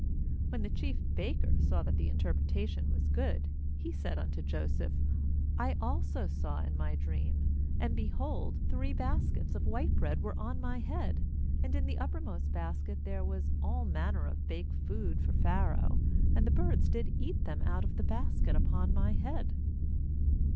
16When the chief baker saw that the interpretation was good, he said unto Joseph: 'I also saw in my dream, and, behold, three baskets of white bread were on my head; 17and in the uppermost basket there was of all manner of baked food for Pharaoh; and the birds did eat them out of the basket upon my head.'